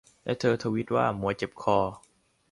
และเธอทวีตว่า หมวยเจ็บคอ